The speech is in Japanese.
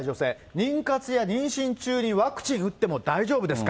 妊活や妊娠中にワクチン打っても大丈夫ですか？